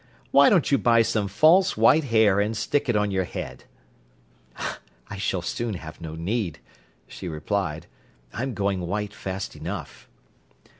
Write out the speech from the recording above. "Why don't you buy some false white hair and stick it on your head." "I s'll soon have no need," she replied. "I'm going white fast enough."